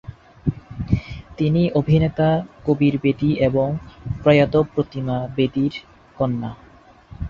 তিনি অভিনেতা কবীর বেদী এবং প্রয়াত প্রতিমা বেদীর কন্যা।